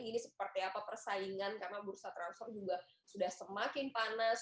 ini seperti apa persaingan karena bursa transfer juga sudah semakin panas